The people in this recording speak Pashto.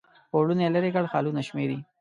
پوړونی لیري کړ خالونه شمیري